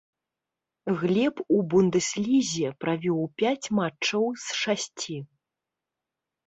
Глеб у бундэслізе правёў пяць матчаў з шасці.